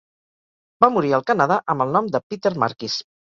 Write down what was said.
Va morir al Canadà amb el nom de Peter Markis.